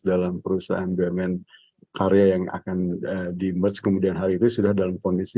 dalam perusahaan bumn karya yang akan di merch kemudian hal itu sudah dalam kondisi